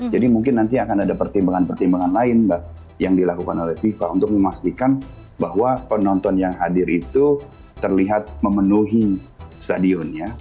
jadi mungkin nanti akan ada pertimbangan pertimbangan lain yang dilakukan oleh fifa untuk memastikan bahwa penonton yang hadir itu terlihat memenuhi stadionnya